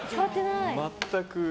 全く。